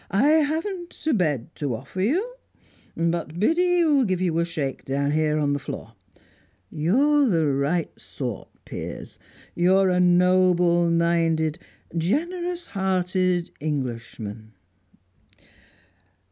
I haven't a bed to offer you, but Biddy'll give you a shake down here on the floor. You're the right sort, Piers. You're a noble minded, generous hearted Englishman."